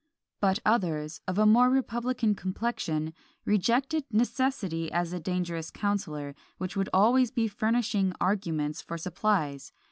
But others, of a more republican complexion, rejected "Necessity, as a dangerous counsellor, which would be always furnishing arguments for supplies.